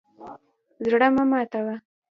زړه مه ماتوه.